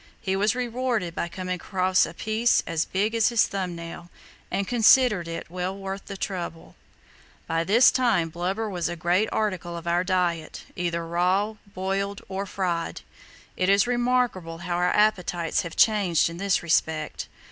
He was rewarded by coming across a piece as big as his thumb nail, and considered it well worth the trouble. By this time blubber was a regular article of our diet—either raw, boiled, or fried. "It is remarkable how our appetites have changed in this respect.